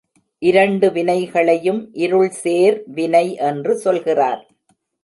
இரண்டு வினைகளையும் இருள்சேர் வினை என்று சொல்கிறார்.